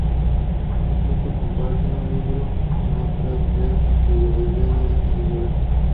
Incluso comparten un libro con otra presa cuyo bebe no deja de llorar.